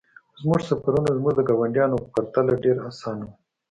زموږ سفرونه زموږ د ګاونډیانو په پرتله ډیر اسانه وو